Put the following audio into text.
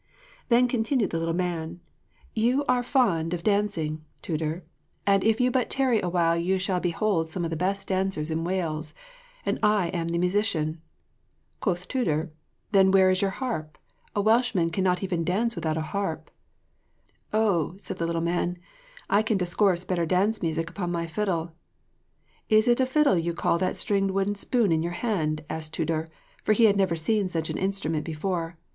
Then continued the little man, "You are fond of dancing, Tudur; and if you but tarry awhile you shall behold some of the best dancers in Wales, and I am the musician." Quoth Tudur, "Then where is your harp? A Welshman even cannot dance without a harp." "Oh," said the little man, "I can discourse better dance music upon my fiddle." "Is it a fiddle you call that stringed wooden spoon in your hand?" asked Tudur, for he had never seen such an instrument before.